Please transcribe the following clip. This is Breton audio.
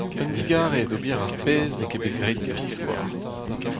Un digarez d'ober ar pezh n'eo ket bet graet biskoazh.